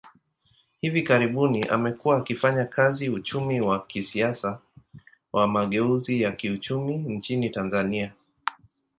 Hivi karibuni, amekuwa akifanya kazi uchumi wa kisiasa wa mageuzi ya kiuchumi nchini Tanzania.